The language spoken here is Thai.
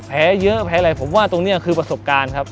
แพ้เยอะแพ้อะไรผมว่าตรงนี้คือประสบการณ์ครับ